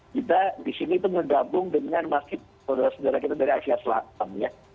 kita di sini itu bergabung dengan masjid saudara saudara kita dari asia selatan ya